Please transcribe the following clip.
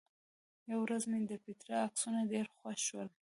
یوه ورځ مې د پېټرا عکسونه ډېر خوښ شول.